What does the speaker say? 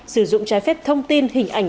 sử dụng trái phép thông tin hình ảnh